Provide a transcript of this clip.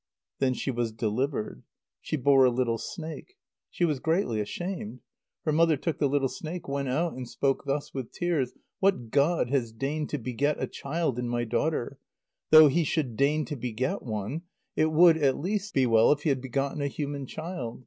Then she was delivered. She bore a little snake. She was greatly ashamed. Her mother took the little snake, went out, and spoke thus, with tears: "What god has deigned to beget a child in my daughter? Though he should deign to beget one, it would at least be well if he had begotten a human child.